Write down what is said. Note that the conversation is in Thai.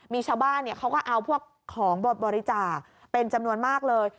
มีชาวบ้านเขาก็เอาพวกของบริจาคเป็นจำนวนมากเลย